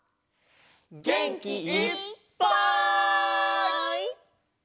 げんきいっぱい！